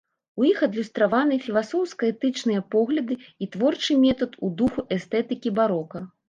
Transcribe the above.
У іх адлюстраваны філасофска-этычныя погляды і творчы метад у духу эстэтыкі барока.